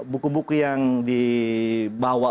buku buku yang dibawa